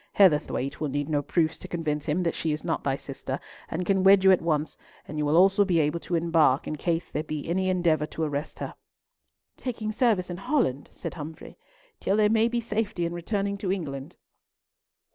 Heatherthwayte will need no proofs to convince him that she is not thy sister, and can wed you at once, and you will also be able to embark in case there be any endeavour to arrest her." "Taking service in Holland," said Humfrey, "until there may be safety in returning to England."